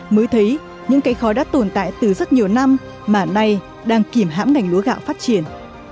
mới thấy những cây khói đã tồn tại từ rất nhiều năm mà nay đang kìm hãm ngành lúa gạo phát triển